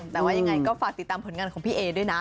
แต่ว่ายังไงก็ฝากติดตามผลงานของพี่เอด้วยนะ